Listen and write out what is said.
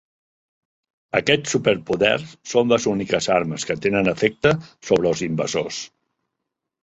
Aquests superpoders són les úniques armes que tenen efecte sobre els invasors.